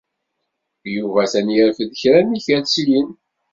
Yuba atan yerfed kra n yikersiyen.